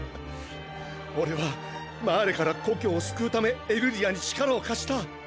俺はマーレから故郷を救うためエルディアに力を貸した！！